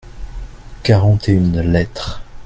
quarante et une lettres.